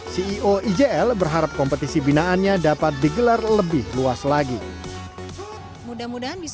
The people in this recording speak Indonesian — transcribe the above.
ceo ijl berharap kompetisi binaannya dapat digelar lebih luas lagi